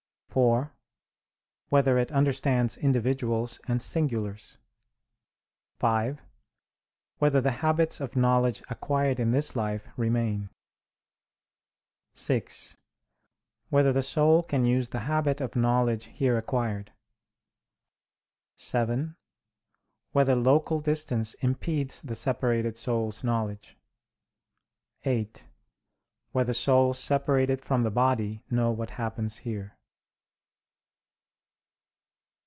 (4) Whether it understands individuals and singulars? (5) Whether the habits of knowledge acquired in this life remain? (6) Whether the soul can use the habit of knowledge here acquired? (7) Whether local distance impedes the separated soul's knowledge? (8) Whether souls separated from the body know what happens here?